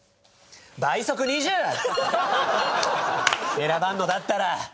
選ばんのだったら。